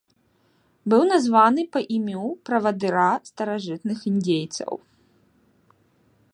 Быў названы па імю правадыра старажытных індзейцаў.